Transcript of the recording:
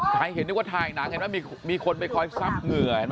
ใครเห็นว่าถ่ายหนังมีคนไปคอยซับเหงื่อเห็นไหม